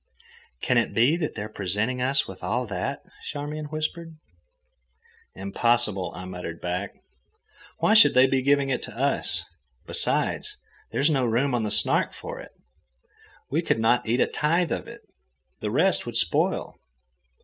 "Can it be that they are presenting us with all that?" Charmian whispered. "Impossible," I muttered back. "Why should they be giving it to us? Besides, there is no room on the Snark for it. We could not eat a tithe of it. The rest would spoil.